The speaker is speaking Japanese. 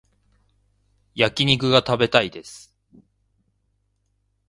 焼き肉が食べたいです